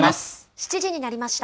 ７時になりました。